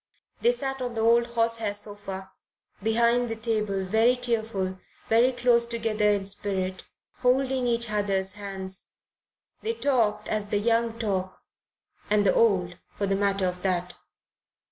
They sat on the old horsehair sofa, behind the table, very tearful, very close together in spirit, holding each other's hands. They talked as the young talk and the old, for the matter of that.